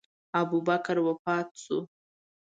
ابوبکر وفات شو.